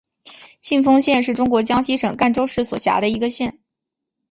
信丰县是中国江西省赣州市所辖的一个县。